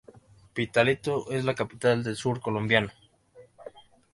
Pitalito es la capital del sur colombiano.